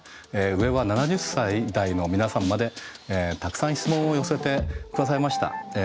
上は７０歳代の皆さんまでたくさん質問を寄せて下さいました。